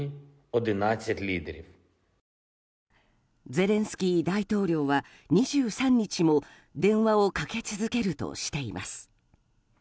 ゼレンスキー大統領は２３日も電話をかけ続けるとしています。